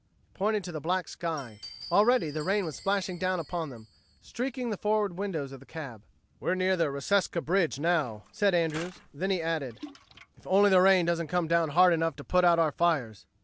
He pointed to the black sky. Already the rain was splashing down upon them, streaking the forward windows of the cab. "We're near the Reseca bridge now," said Andrews. Then he added: "If only the rain doesn't come down hard enough to put out our fires!